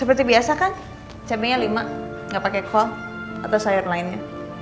seperti biasa kan cabainya lima nggak pakai kol atau sayur lainnya